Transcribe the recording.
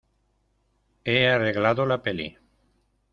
he arreglado la peli.